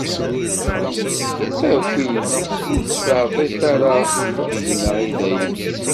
Aki-d! Ur ttferriṭ ara deg-neɣ i dayem!